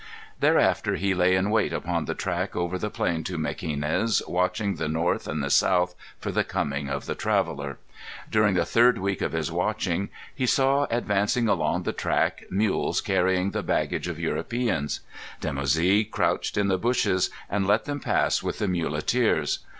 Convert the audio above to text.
Thereafter he lay in wait upon the track over the plain to Mequinez, watching the north and the south for the coming of the traveller. During the third week of his watching he saw advancing along the track mules carrying the baggage of Europeans. Dimoussi crouched in the bushes and let them pass with the muleteers.